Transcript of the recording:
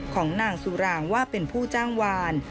ของนางสุรางว่าเป็นผู้จ้างวาน